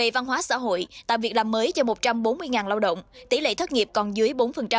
văn hóa xã hội tạo việc làm mới cho một trăm bốn mươi lao động tỷ lệ thất nghiệp còn dưới bốn